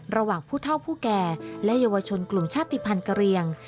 ระหว่างผู้เท่าผู้แก่และเยาวชนกลุ่มชาติภัณฑ์กะเรียง